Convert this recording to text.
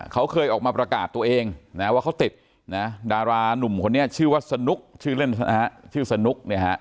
เขาเคยออกมาประกาศตัวเองนะว่าเขาติดนะดารานุ่มคนนี้ชื่อว่าสนุกชื่อเล่นชื่อสนุกเนี่ยฮะ